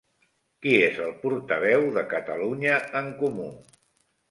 Qui és el portaveu de Catalunya en Comú?